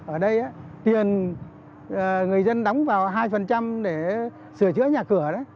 ở đây tiền người dân đóng vào hai để sửa chữa nhà cửa đấy